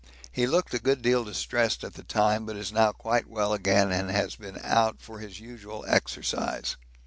He looked a good deal distressed at the time, but is now quite well again and has been out for his usual exercise.